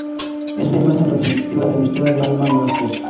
Esta es la imagen representativa de nuestra Alma Mater.